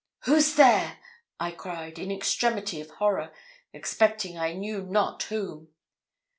'Who's there?' I cried, in extremity of horror, expecting I knew not whom.